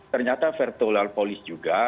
ternyata virtual polis juga